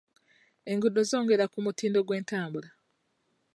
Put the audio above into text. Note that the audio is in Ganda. Enguudo zongera ku mutindo gw'entambula.